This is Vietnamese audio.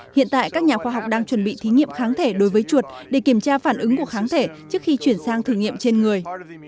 hiện tại các nhà khoa học đang chuẩn bị thí nghiệm kháng thể đối với chuột để kiểm tra phản ứng của kháng thể trước khi chuyển sang thử nghiệm trên người